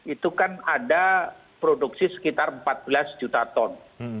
itu kan ada produksi sekitar empat belas juta ton